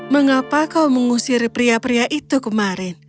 mengapa kau mengusir pria pria itu kemarin